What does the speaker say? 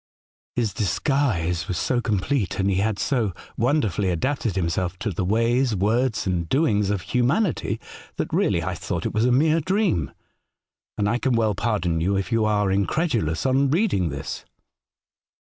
His disguise was so complete, and he had so wonderfully adapted himself to the ways, words, and doings of humanity, that really I thought it was a mere dream, and I can A Strange Letter. 53 well pardon you if you are incredulous on reading tliis.